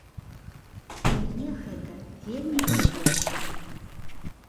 І мне гэта вельмі прыемна.